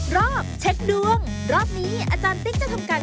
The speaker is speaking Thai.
ให้อบหักกลับบ้านไปก่อน